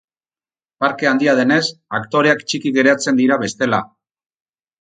Parkea handia denez, aktoreak txiki geratzen dira bestela.